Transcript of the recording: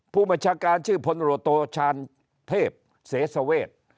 ผู้มจการชื่อผลตำรวจโทษธนิษฐกษ์ธีรสวรรค์